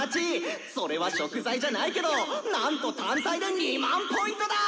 それは食材じゃないけどなんと単体で２００００Ｐだ！